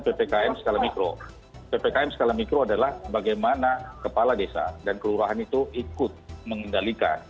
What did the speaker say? ppkm skala mikro ppkm skala mikro adalah bagaimana kepala desa dan kelurahan itu ikut mengendalikan